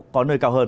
có nơi cao hơn